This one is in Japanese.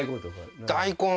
大根？